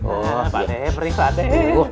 oh pakde perih pakde